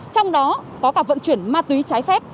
trong đó có cả vận chuyển ma túy trái phép